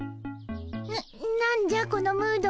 な何じゃこのムードは。